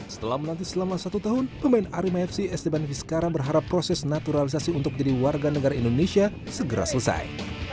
setelah menanti selama satu tahun pemain arema fc esteban vizcara berharap proses naturalisasi untuk menjadi warga negara indonesia segera selesai